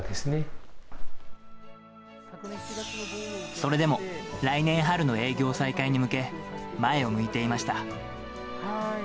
それでも、来年春の営業再開に向け、前を向いていました。